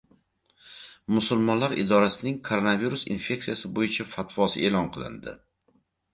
Musulmonlar idorasining koronavirus infeksiyasi bo‘yicha fatvosi e’lon qilindi